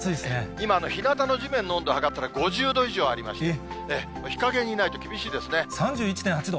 今、日向の地面の温度測ったら５０度以上ありまして、日陰にいないと３１．８度。